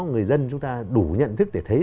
người dân chúng ta đủ nhận thức để thấy